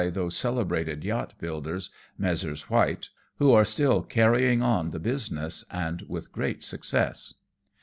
239 those celebrated yacht builders, Messrs White, who are still carrying on the business, and with great success.